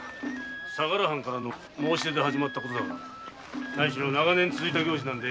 相良藩からの申し出で始まったことだが長年続いている行事でな。